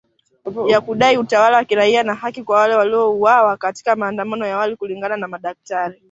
ya kudai utawala wa kiraia na haki kwa wale waliouawa katika maandamano ya awali kulingana na madaktari